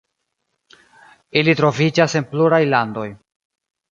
Ili troviĝas en pluraj landoj.